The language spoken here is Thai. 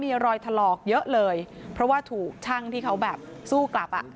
มีรอยถลอกเยอะเลยเพราะว่าถูกช่างที่เขาแบบสู้กลับอ่ะ